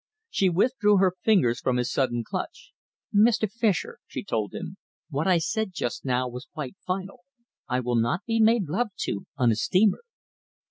She withdrew her fingers from his sudden clutch. "Mr. Fischer," she told him, "what I said just now was quite final. I will not be made love to on a steamer."